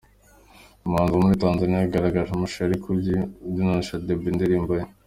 Umuhanzi wo muri Tanzaniya yagaragaje amashusho ari kubyinana na Shaddyboo indirimbo ye.